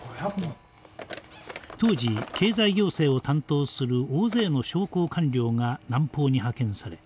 当時経済行政を担当する大勢の商工官僚が南方に派遣され